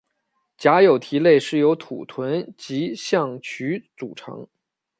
假有蹄类是由土豚及象鼩组成。